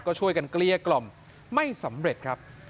ก็ช่วยกันเกลี้ยกล่อมไม่สำเร็จครับ